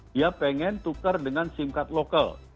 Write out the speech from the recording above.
dia pengen tukar dengan sim card lokal